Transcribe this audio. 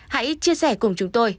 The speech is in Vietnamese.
hãy chia sẻ cùng chúng tôi